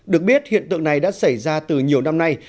được biết hiện tượng này đã xảy ra từ nhiều năm nay